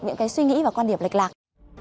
những cái suy nghĩ và quan điểm lệch lạc